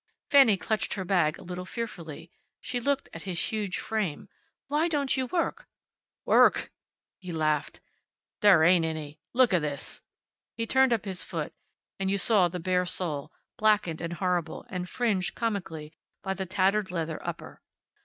Fanny clutched her bag a little fearfully. She looked at his huge frame. "Why don't you work?" "Work!" He laughed. "There ain't any. Looka this!" He turned up his foot, and you saw the bare sole, blackened and horrible, and fringed, comically, by the tattered leather upper.